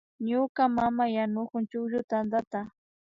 Ñuka mama yanukun chukllu tantata